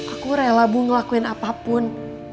aku rela bu ngelakuin apapun